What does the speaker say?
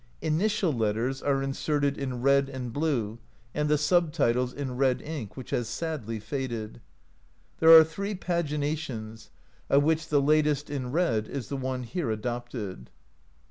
Initial letters are inserted in red and blue, and the subtitles in red ink, which has sadly faded. There are three paginations, of which the latest, in red, is the one here adopted.